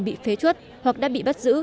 bị phế chuất hoặc đã bị bắt giữ